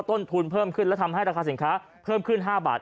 ต้นทุนเพิ่มขึ้นและทำให้ราคาสินค้าเพิ่มขึ้น๕บาท